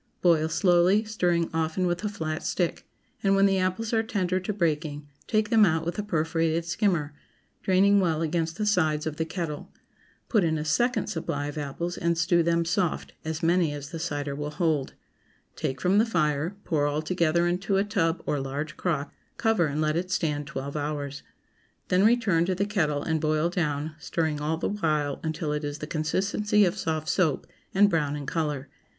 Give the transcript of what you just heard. Boil slowly, stirring often with a flat stick, and when the apples are tender to breaking, take them out with a perforated skimmer, draining well against the sides of the kettle. Put in a second supply of apples and stew them soft, as many as the cider will hold. Take from the fire, pour all together into a tub or large crock; cover and let it stand twelve hours. Then return to the kettle and boil down, stirring all the while until it is the consistency of soft soap, and brown in color.